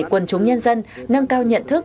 quần chúng nhân dân nâng cao nhận thức